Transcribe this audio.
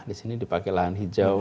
disini dipakai lahan hijau